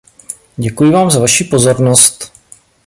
Děkuji vám za vaši pozornost.